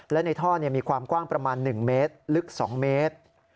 และในท่อมีความกว้างประมาณ๑เมตรลึก๒เมตร